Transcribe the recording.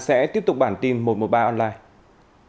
sẽ tiếp tục bản tin một trăm một mươi ba online